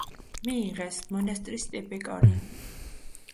მიიღეს მონასტრის ტიპიკონი.